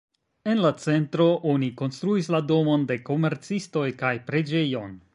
En la centro oni konstruis la domon de komercistoj kaj preĝejon.